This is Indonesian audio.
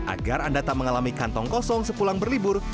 agar anda tak mengalami kantong kosong sepulang berlibur